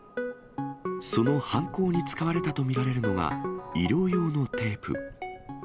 その犯行に使われたと見られるのが、医療用のテープ。